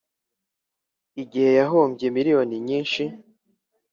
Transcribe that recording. Ighe yahombye miriyoni nyinshi